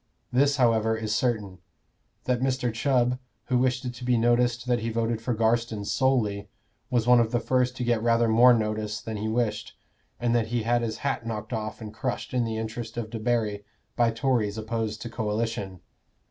This, however, is certain that Mr. Chubb, who wished it to be noticed that he voted for Garstin solely, was one of the first to get rather more notice than he wished, and that he had his hat knocked off and crushed in the interest of Debarry by Tories opposed to coalition.